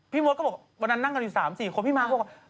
พี่มดก็บอกวันนั้นนั่งกันอยู่๓๔คร้าวพี่มาบอกว่า